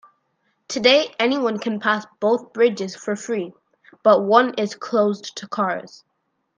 Today, anyone can pass both bridges for free, but one is closed to cars.